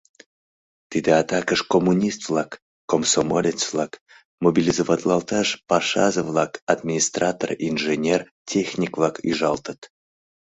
Тиде атакыш коммунист-влак, комсомолец-влак мобилизоватлалташ пашазе-влак, администратор, инженер, техник-влак ӱжалтыт.